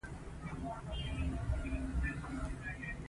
د مالیې تېښته جرم دی.